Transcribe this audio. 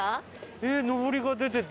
えっのぼりが出てて。